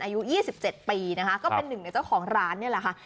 อายุ๒๗ปีนะคะก็เป็นหนึ่งในเจ้าของร้านนี่แหละค่ะ